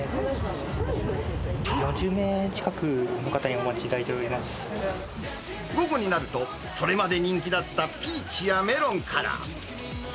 ４０名近くの方にお待ちいた午後になると、それまで人気だったピーチやメロンから。